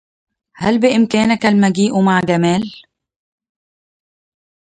هل بإمكانك المجيء مع جمال؟